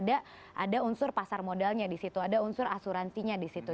ada unsur pasar modalnya disitu ada unsur asuransinya disitu